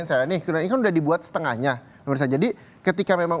jadi kita bisa mengajarin saya nih karena ini udah dibuat setengahnya berusaha jadi ketika memang